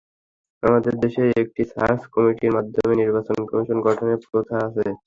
আমাদের দেশে একটি সার্চ কমিটির মাধ্যমে নির্বাচন কমিশন গঠনের প্রথা আছে।